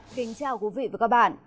kính chào quý vị và các bạn